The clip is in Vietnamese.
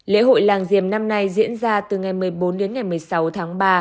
lễ hội làng diềm năm nay diễn ra từ ngày một mươi bốn đến ngày một mươi sáu tháng ba